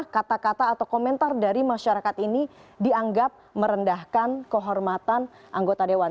kata kata atau komentar dari masyarakat ini dianggap merendahkan kehormatan anggota dewan